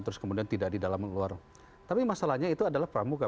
tapi masalahnya itu adalah pramuka